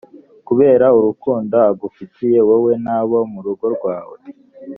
kubera urukundo agufitiye, wowe n’abo mu rugo rwawe,